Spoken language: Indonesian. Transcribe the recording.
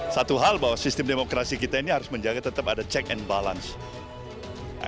satu hal bahwa sistem demokrasi kita ini harus menjaga tetap ada check and balance